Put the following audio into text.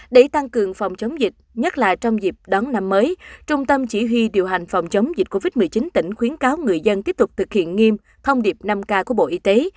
để tăng cường phòng chống dịch nhất là trong dịp đón năm mới trung tâm chỉ huy điều hành phòng chống dịch covid một mươi chín tỉnh khuyến cáo người dân tiếp tục thực hiện nghiêm thông điệp năm k của bộ y tế